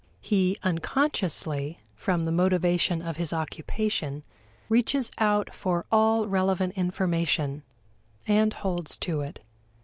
He unconsciously, from the motivation of his occupation, reaches out for all relevant information, and holds to it.